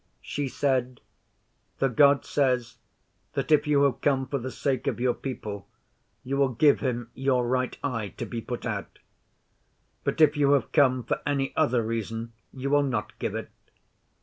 She said, "The God says that if you have come for the sake of your people you will give him your right eye to be put out; but if you have come for any other reason you will not give it.